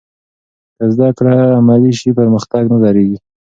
که زده کړه عملي شي، پرمختګ نه درېږي.